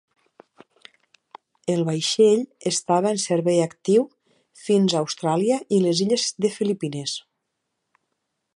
El vaixell estava en servei actiu fins a Austràlia i les illes de Filipines.